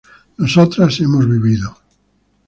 nosotras hemos vivido